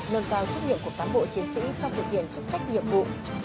nâng cao trách nhiệm của cán bộ chiến sĩ trong thực hiện chức trách nhiệm vụ